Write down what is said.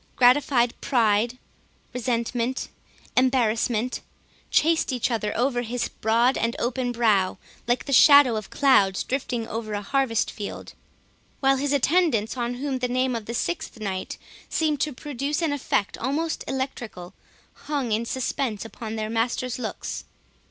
Gratified pride, resentment, embarrassment, chased each other over his broad and open brow, like the shadow of clouds drifting over a harvest field; while his attendants, on whom the name of the sixth knight seemed to produce an effect almost electrical, hung in suspense upon their master's looks.